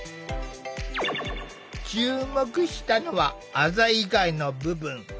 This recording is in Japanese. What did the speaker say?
注目したのはあざ以外の部分。